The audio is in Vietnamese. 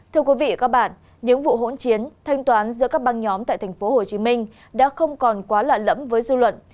thưa quý vị và các bạn những vụ hỗn chiến thanh toán giữa các băng nhóm tại tp hcm đã không còn quá lạ lẫm với dư luận